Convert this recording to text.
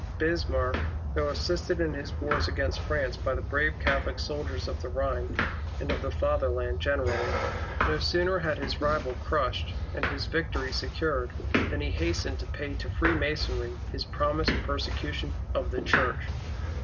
Bismarck, though assisted in his wars against France by the brave Catholic soldiers of the Rhine, and of tlie Fatherland generally, no sooner had his rival crushed, and his victory secured, than he hastened to pay to Freemasonry his promised persecution of the Church.